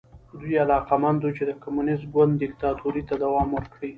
دوی علاقمند وو چې د کمونېست ګوند دیکتاتورۍ ته دوام ورکړي.